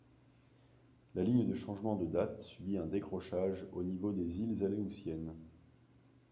La ligne de changement de date subit un décrochage au niveau des îles Aléoutiennes.